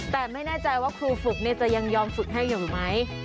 แต่ไม่อยากกันว่าครูฝึกจะยังยอมฝึกให้่งไหม